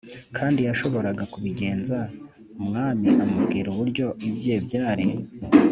kundi yashoboraga kubigenza Umwami amubwira uburyo ibye byari